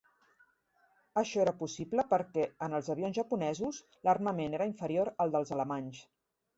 Axó era possible perquè, en els avions japonesos, l'armament era inferior al dels alemanys.